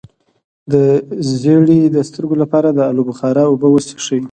د زیړي د سترګو لپاره د الو بخارا اوبه وڅښئ